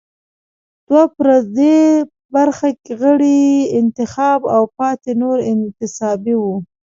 دوه پر درې برخه غړي یې انتخابي او پاتې نور انتصابي وو.